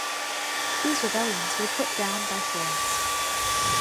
These rebellions were put down by Florence.